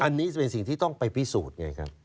อันนี้จะเป็นสิ่งที่ต้องไปพิสูจน์ไงครับ